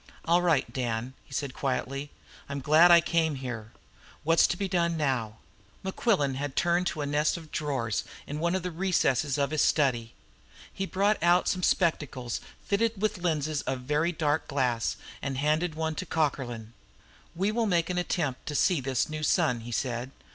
"All right, Dan," he said quietly. "I'm glad I came here. What's to be done now?" Mequillen had turned to a nest of drawers in one of the recesses of his study. He brought out some spectacles fitted with lenses of very dark glass, and handed one to Cockerlyne. "We will make an attempt to see this new sun," he said.